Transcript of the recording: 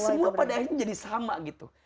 semua pada akhirnya jadi sama gitu